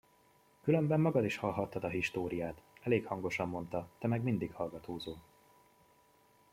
Különben magad is hallhattad a históriát, elég hangosan mondta, te meg mindig hallgatózol.